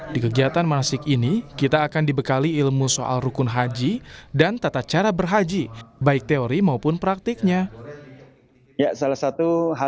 di kegiatan manasik ini kita akan dibekali ilmu soal rukun haji dan tata cara berhaji baik teori maupun praktiknya